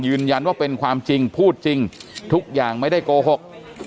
ยืนยันว่าเป็นความจริงพูดจริงทุกอย่างไม่ได้โกหก